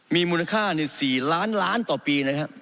มีมูลค่า๔ล้านล้านต่อปีนะครับ